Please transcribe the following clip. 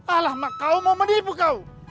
alah mak kau mau menipu kau